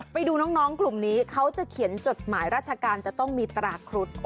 ไปดูน้องกลุ่มนี้เขาจะเขียนจดหมายราชการจะต้องมีตราครุฑ